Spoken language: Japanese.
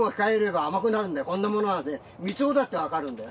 こんなものはね三つ子だってわかるんだよ。